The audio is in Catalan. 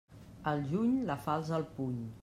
Al juny, la falç al puny.